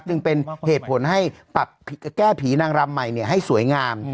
จึงเป็นเหตุผลให้ปรับแก้ผีนางรำใหม่ให้สวยงาม